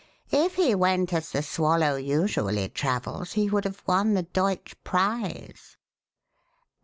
If he went as the swallow usually travels he would have won the Deutsch Prize."